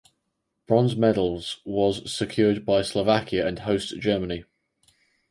Bronze medals was secured by Slovakia and host Germany.